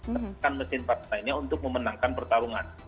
sertakan mesin partainya untuk memenangkan pertarungan